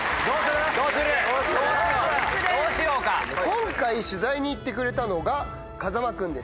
今回取材に行ってくれたのが風間君です。